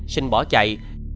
sinh bỏ chạy